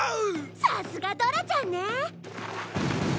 さすがドラちゃんね！